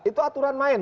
itu aturan main